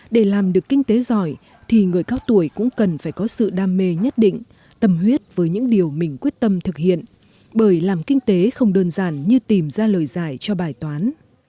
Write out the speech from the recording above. để làm được kinh tế giỏi thì người cao tuổi cũng cần phải có sự đam mê nhất định tâm huyết với những điều mình quyết tâm thực hiện bởi làm kinh tế không đơn giản như tìm ra lời giải cho bài toán